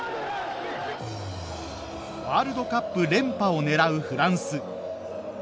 ワールドカップ連覇を狙うフランス。